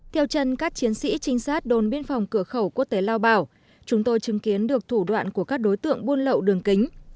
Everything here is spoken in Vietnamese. theo chân các chiến sĩ trinh sát đồn biên phòng cửa khẩu quốc tế lao bảo chúng tôi chứng kiến được thủ đoạn của các đối tượng buôn lậu đường kính